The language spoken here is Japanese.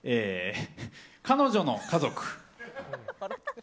彼女の家族。